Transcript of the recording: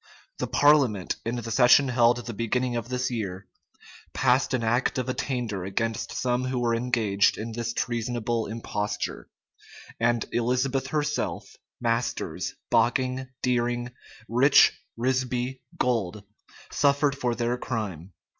The parliament, in the session held the beginning of this year, passed an act of attainder against some who were engaged in this treasonable imposture,[*] and Elizabeth herself, Masters, Bocking, Deering, Rich, Risby, Gold, suffered for their crime.